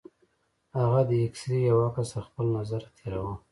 هغه د اکسرې يو عکس تر خپل نظره تېراوه.